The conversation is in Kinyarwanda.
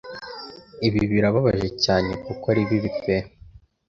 Ibi birababaje cyane kuko aribibi pe